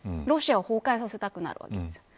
ロシアを崩壊させたくなるわけです。